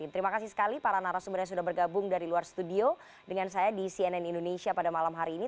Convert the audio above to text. terima kasih sekali para narasumber yang sudah bergabung dari luar studio dengan saya di cnn indonesia pada malam hari ini